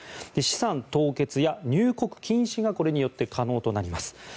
資産凍結や、入国禁止がこれによって可能となります。